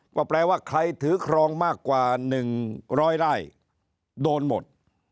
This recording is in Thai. ก็แปลว่าใครถือครองมากกว่า๑๐๐ไร่โดนหมด